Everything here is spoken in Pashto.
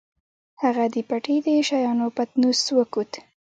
هغه د پټۍ د شيانو پتنوس وکوت.